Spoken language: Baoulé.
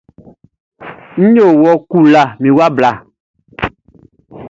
Nʼyo wɔ kula mi wa bla.